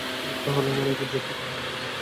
তাহলে আমরা এত ঝক্কি পোহালাম কেন?